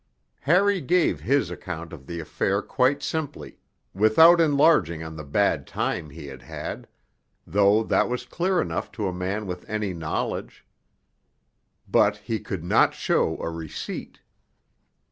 Harry gave his account of the affair quite simply, without enlarging on the bad time he had had, though that was clear enough to a man with any knowledge. _But he could not show a receipt.